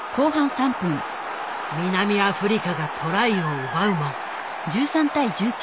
南アフリカがトライを奪うも。